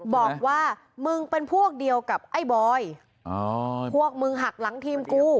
บอกว่ามึงเป็นพวกเดียวกับไอ้บอยพวกมึงหักหลังทีมกู